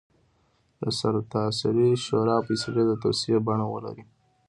د سرتاسري شورا فیصلې د توصیې بڼه ولري.